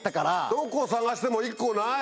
どこを探しても１個ない。